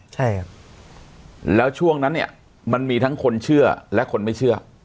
ใช่ครับแล้วช่วงนั้นเนี่ยมันมีทั้งคนเชื่อและคนไม่เชื่อ